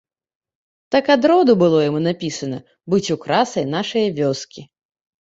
Так ад роду было яму напісана быць украсай нашае вёскі.